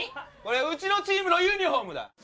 これはうちのチームのユニホームだ！